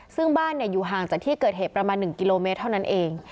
ซึ่งบ้านอยู่ห่างจากที่เกิดเหตุประมาณ๑กิโลเมตรเท่านั้นเอง